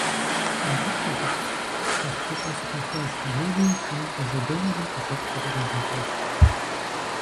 – Алыхь-Алыхь, хьэшхыпӀэ сыкъихуащ, – жери шым къыжьэдэуэри къыщӀэпхъуэри къежьэжащ.